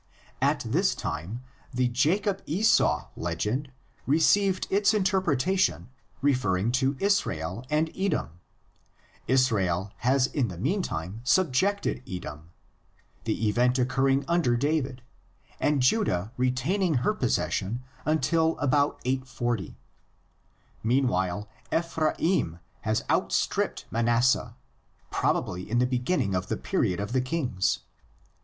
At this time the Jacob Esau legend received its interpretation referring to Israel and Edom: Israel has in the meantime subjected Edom, the event occurring under David, and Judah retaining her possession until about 840. Meanwhile Ephraim has out stripped Manasseh, probably in the beginning of the period of the kings.